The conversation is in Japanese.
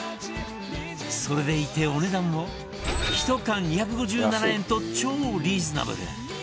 それでいてお値段も１缶２５７円と超リーズナブル